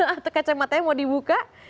atau kacang matanya mau dibuka